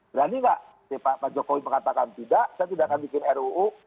berani nggak pak jokowi mengatakan tidak saya tidak akan bikin ruu